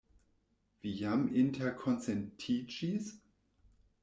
Vi jam interkonsentiĝis?